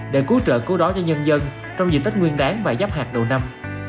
để cứu trợ cứu đó cho nhân dân trong dự tích nguyên đáng và giáp hạt đầu năm